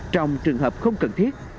trường hợp không cần thiết